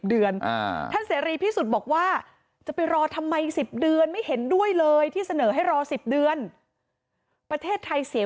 เวลามา๙ปีแล้วนะยังจะต้องมารออะไรอีก